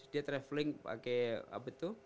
dia travelling pake apa tuh